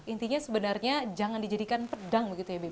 intinya sebenarnya jangan dijadikan pedang begitu ya ibu